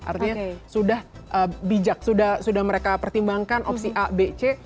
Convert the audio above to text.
artinya sudah bijak sudah mereka pertimbangkan opsi a b c